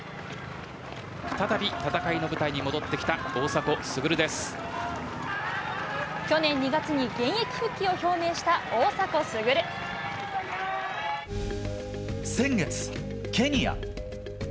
再び戦いの舞台に戻ってきた去年２月に現役復帰を表明し先月、ケニア。